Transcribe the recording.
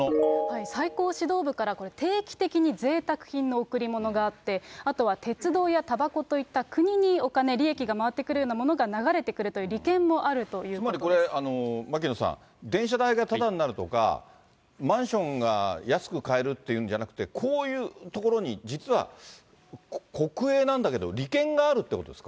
最高指導部からこれ、定期的にぜいたく品の贈り物があって、あとは鉄道やたばこといった、国にお金、利益が回ってくるようなものが流れてくるという利権もあるというつまりこれ、牧野さん、電車代がただになるとか、マンションが安く買えるっていうんじゃなくて、こういうところに、実は、国営なんだけど、利権があるってことですか？